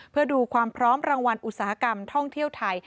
เพื่อดูความพร้อมรางวัลอุตสาหกรรมท่องเที่ยวไทย